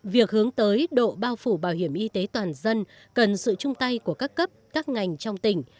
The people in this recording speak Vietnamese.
việc hướng tới độ bao phủ bảo hiểm y tế toàn dân cần sự chung tay của các cấp các ngành trong tỉnh